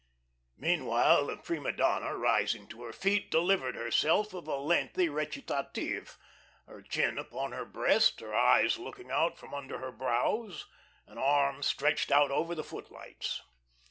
Meanwhile the prima donna, rising to her feet, delivered herself of a lengthy recitative, her chin upon her breast, her eyes looking out from under her brows, an arm stretched out over the footlights.